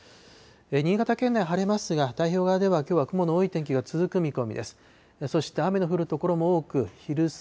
新潟県内、晴れますが、太平洋側ではきょうは雲の多い天気が続く見込みです。